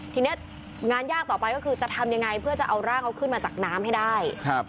ทีนี้งานยากต่อไปก็คือจะทำยังไงเพื่อจะเอาร่างเขาขึ้นมาจากน้ำให้ได้